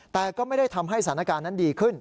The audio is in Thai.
แต่ก็ไม่ได้ทำให้สถานการณ์นั้นดีขึ้น